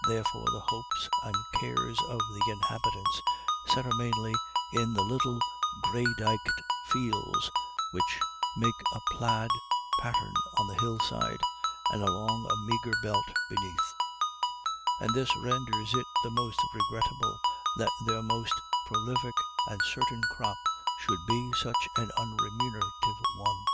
Therefore the hopes and cares of the inhabitants centre mainly in the little grey dyked fields which make a plaid pattern on the hillside, and along* a meagre belt beneath ; and this renders it the more regretable that their most prolific and certain crop should be such an unremunerative one.